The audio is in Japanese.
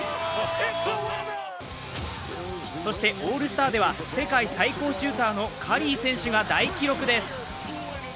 そしてオールスターでは、世界最高シューターのカリー選手が大記録です。